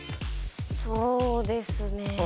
そうですね。